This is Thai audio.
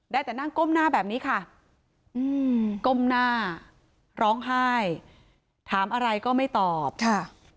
ได้แต่นั่งก้มหน้าแบบนี้ค่ะอืมก้มหน้าร้องไห้ถามอะไรก็ไม่ตอบค่ะ